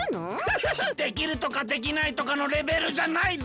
できるとかできないとかのレベルじゃないぜ！